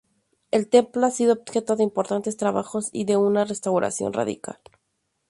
El templo ha sido objeto de importantes trabajos y de una restauración radical.